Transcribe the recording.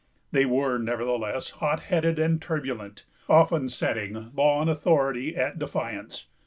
They were, nevertheless, hot headed and turbulent, often setting law and authority at defiance.